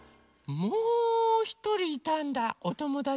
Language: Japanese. もうひとりいたんだおともだち。